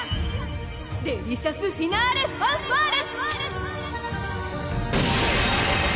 デリシャスフィナーレ・ファンファーレ！